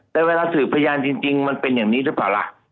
แต่เวลาสืบพยานจริงมันเป็นอย่างนี้หรือเปล่าล่ะ